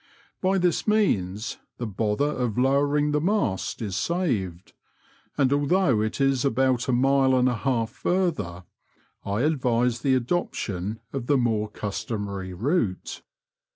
By this means the bother of lowering the mast is saved, and although it is about a mile and a half farther, I advise the adoption of the more customary route.